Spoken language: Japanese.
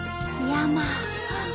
山！